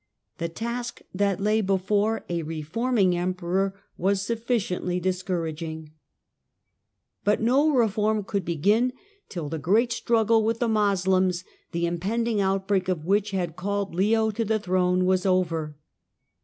The task that lay before a reforming emperor was sufficiently discouraging. Siege of But no reform could begin till the great struggle with uopie, 718 the Moslems, the impending outbreak of which had called Leo to the throne, was over.